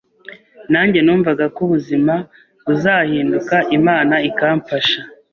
nanjye numvagako ubuzima buzahinduka Imana ikamfasha.